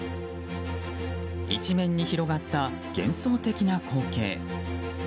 一面に広がった幻想的な光景。